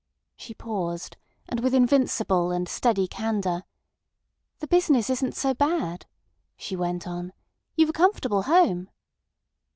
She paused, and with invincible and steady candour. "The business isn't so bad," she went on. "You've a comfortable home."